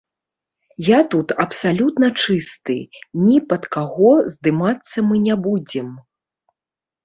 Я тут абсалютна чысты, ні пад каго здымацца мы не будзем.